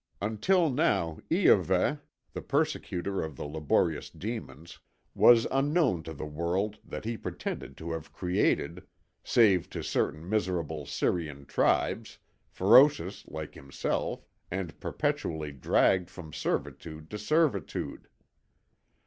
Until now, Iahveh, the persecutor of the laborious demons, was unknown to the world that he pretended to have created, save to certain miserable Syrian tribes, ferocious like himself, and perpetually dragged from servitude to servitude.